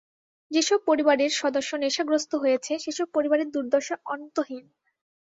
যেসব পরিবারের সদস্য নেশাগ্রস্ত হয়েছে, সেসব পরিবারের দুর্দশা অন্তহীন।